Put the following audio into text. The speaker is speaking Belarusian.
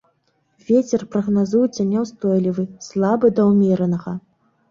Вецер прагназуецца няўстойлівы, слабы да ўмеранага.